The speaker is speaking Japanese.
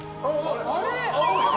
あれ？